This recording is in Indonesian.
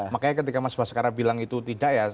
makanya ketika mas baskara bilang itu tidak ya